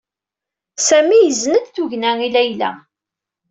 Sami yezen-d tugna i Layla.